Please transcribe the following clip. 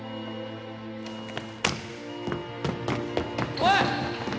おい！